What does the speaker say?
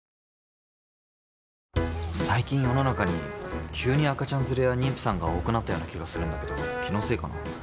最近世の中に急に赤ちゃん連れや妊婦さんが多くなったような気がするんだけど気のせいかな？